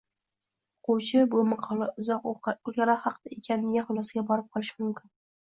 o‘quvchi «bu maqola uzoq o‘lkalar haqida ekan» degan xulosaga borib qolishi mumkin.